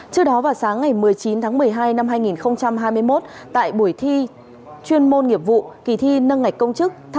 trước đó vào sáng ngày một mươi chín tháng một mươi hai năm hai nghìn hai mươi một tại buổi thi chuyên môn nghiệp vụ kỳ thi nâng ngạch công chức